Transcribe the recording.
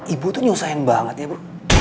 ibu tuh nyusahin banget ya bu